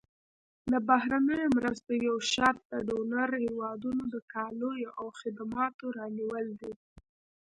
د بهرنیو مرستو یو شرط د ډونر هېوادونو د کالیو او خدماتو رانیول دي.